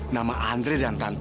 nama andre dan tante